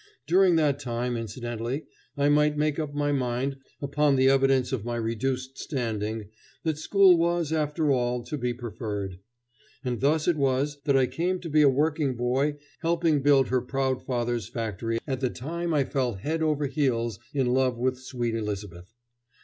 During that time, incidentally, I might make up my mind, upon the evidence of my reduced standing, that school was, after all, to be preferred. And thus it was that I came to be a working boy helping build her proud father's factory at the time I fell head over heels in love with sweet Elizabeth.